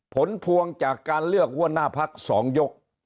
ผลพวงจากการเลือกหัวหน้าพัก๒ยก